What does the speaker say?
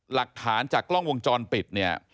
หลักฐานจากกล้องวงจรปิดเนี่ย